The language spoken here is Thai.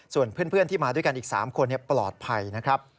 ส่วนเพื่อนที่มาด้วยกันอีก๓คนปลอดภัยนะครับ